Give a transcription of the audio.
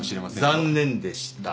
残念でした。